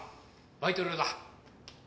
バイト料だ。